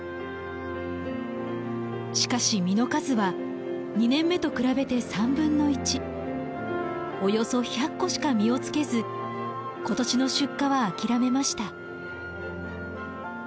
しかし実の数は２年目と比べて３分の１。およそ１００個しか実をつけず今年の出荷は諦めました。